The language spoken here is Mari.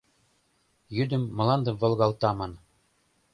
Йӱдым мландым волгалта ман.